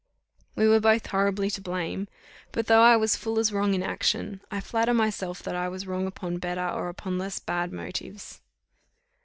We were both horribly to blame; but though I was full as wrong in action, I flatter myself that I was wrong upon better or upon less bad motives.